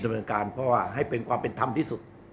ดำเนินการเพราะว่าให้เป็นความเป็นธรรมที่สุด